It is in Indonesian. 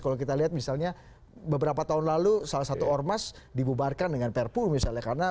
kalau kita lihat misalnya beberapa tahun lalu salah satu ormas dibubarkan dengan perpu misalnya